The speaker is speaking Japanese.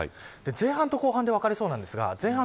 前半と後半で分かれそうなんですが前半